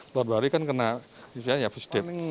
baru hari kan kena ya positif